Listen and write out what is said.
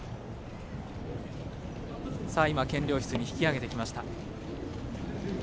検量室に引き上げてきました。